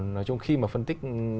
nói chung khi mà phân tích